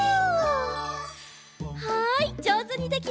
はいじょうずにできました！